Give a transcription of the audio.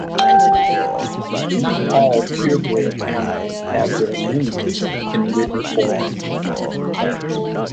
Not all purebred animals have their lineage in written form.